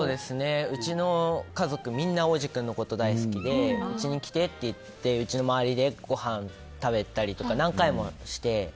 うちの家族みんな央士君のことが大好きでうちに来てって言ってうちの周りでご飯食べたりとか何回もして。